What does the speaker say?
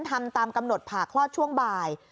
ทำตามกำหนดผ่าคลอดช่วงบ่าย